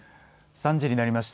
３時になりました。